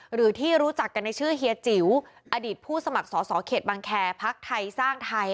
หรือที่รู้จักกันในชื่อเฮียจิ๋วอดีตผู้สมัครสอสอเขตบังแคร์พักไทยสร้างไทย